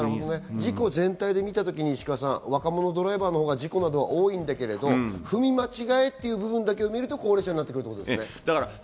事故全体で見たときに若者のドライバーのほうが事故が多いんだけど踏み間違えという部分だけを見ると高齢者になってくる。